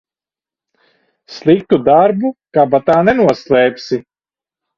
Sliktu darbu kabatā nenoslēpsi.